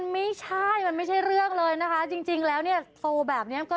มันไม่ใช่คุณเอฟมานั่งหัวล่ออยู่ได้